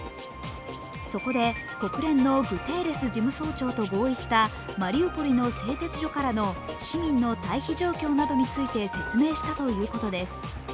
そこで国連のグテーレス事務総長と合意したマリウポリの製鉄所からの市民の退避状況について説明したと言うことです。